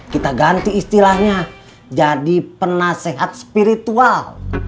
kita ganti istilahnya jadi penasehat spiritual